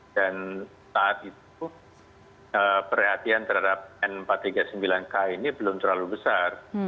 dan saat itu perhatian terhadap n empat ratus tiga puluh sembilan k ini belum terlalu besar